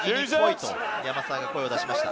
と山沢が声を出しました。